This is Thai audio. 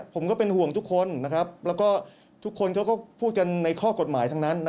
ผมก็เป็นห่วงทุกคนแล้วก็ทุกคนเขาก็พูดกันในข้อกฎหมายทั้งนั้น